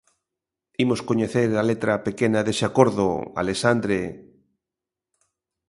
Imos coñecer a letra pequena dese acordo, Alexandre...